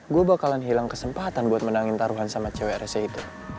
gue bakalan hilang kesempatan buat menangin taruhan sama cewek itu